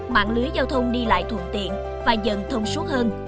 mạng lưới giao thông đi lại thuận tiện và dần thông suốt hơn